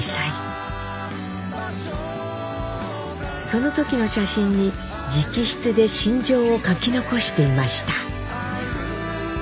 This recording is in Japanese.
その時の写真に直筆で心情を書き残していました。